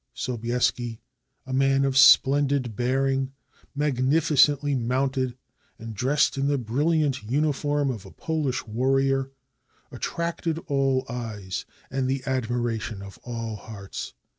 Sobieski, a man of splendid bear ing magnificently mounted, and dressed in the brilliant uniform of a Polish warrior, attracted all eyes and the admiration of all hearts.